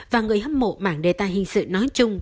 và người hâm mộ mảng đề tài hình sự nói chung